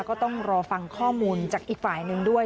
ก็ต้องรอฟังข้อมูลจากอีกฝ่ายหนึ่งด้วย